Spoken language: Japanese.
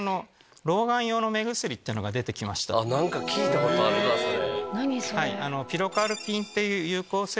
聞いたことあるなそれ。